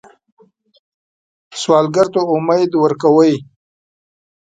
سوالګر ته امید ورکوئ